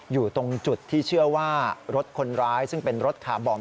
อยู่ตรงจุดที่เชื่อว่ารถคนร้ายซึ่งเป็นรถคาร์บอม